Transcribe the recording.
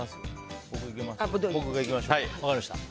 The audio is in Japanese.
僕がいきましょうか。